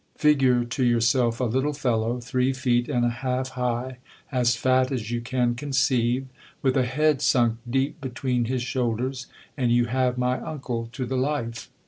Figure to yourself a little fellow, three feet and a half high, as fat as you can conceive, with a head sunk deep between his shoulders, and you have my uncle to the life.